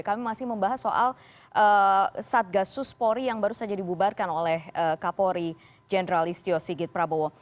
kami masih membahas soal saat kasus pori yang baru saja dibubarkan oleh kapolri jendral istio sigit prabowo